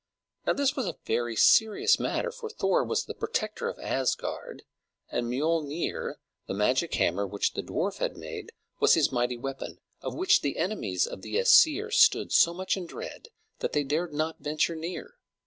Now this was a very serious matter, for Thor was the protector of Asgard, and Miölnir, the magic hammer which the dwarf had made, was his mighty weapon, of which the enemies of the Æsir stood so much in dread that they dared not venture near.